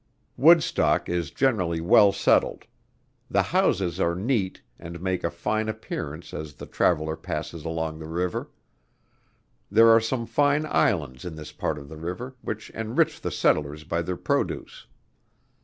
Woodstock is generally well settled. The houses are neat, and make a fine appearance as the traveller passes along the river. There are some fine islands in this part of the river, which enrich the settlers by their produce.